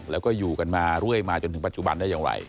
แล้วก็อยู่กันมาเรื่อยมาจนถึงปัจจุบันได้อย่างไร